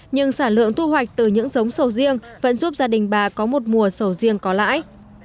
nhưng sản lượng thu hoạch từ những giống sầu riêng vẫn giúp gia đình bà có một mùa sầu riêng có lãi